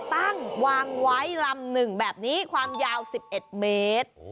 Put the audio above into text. ตั้งวางไว้ลำหนึ่งแบบนี้ความยาว๑๑เมตร